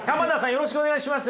よろしくお願いします。